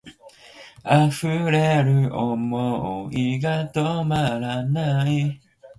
この主人がどういう考えになったものか吾輩の住み込んでから一月ばかり後のある月の月給日に、大きな包みを提げてあわただしく帰って来た